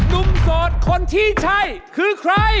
โสดคนที่ใช่คือใคร